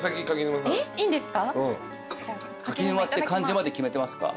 柿沼って漢字まで決めてますか？